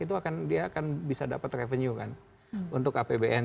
itu dia akan bisa dapat revenue kan untuk apbn